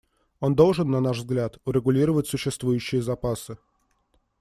Он должен, на наш взгляд, урегулировать существующие запасы.